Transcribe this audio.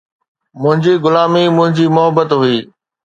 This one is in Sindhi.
منهنجي غلامي منهنجي محبت هئي